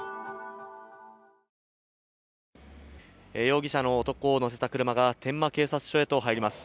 容疑者の男を乗せた車が天満警察署へと入ります。